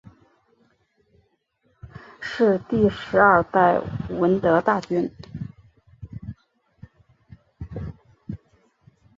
是第十二代闻得大君。